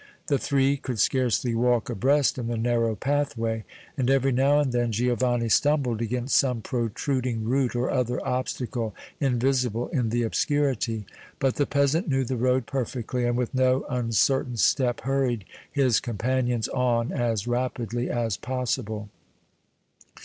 The three could scarcely walk abreast in the narrow pathway, and every now and then Giovanni stumbled against some protruding root or other obstacle invisible in the obscurity; but the peasant knew the road perfectly, and with no uncertain step hurried his companions on as rapidly as possible.